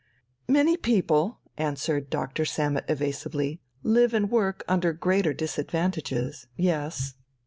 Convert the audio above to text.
"Many people," answered Dr. Sammet evasively, "live and work under greater disadvantages. Yes."